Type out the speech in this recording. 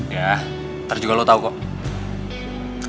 ya ntar juga lo tau kok